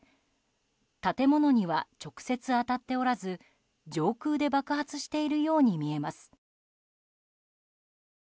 建物には直接当たっておらず上空で爆発しているように見えます。